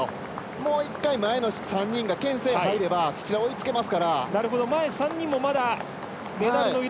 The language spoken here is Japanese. もう一回、前の３人がけん制入れば、土田追いつけます。